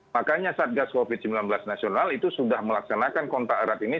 makanya satgas covid sembilan belas nasional itu sudah melaksanakan kontak erat ini